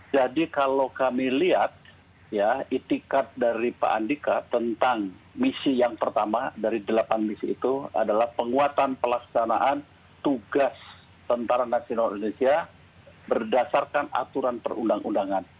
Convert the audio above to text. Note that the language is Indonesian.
kalau kami lihat ya itikat dari pak andika tentang misi yang pertama dari delapan misi itu adalah penguatan pelaksanaan tugas tentara nasional indonesia berdasarkan aturan perundang undangan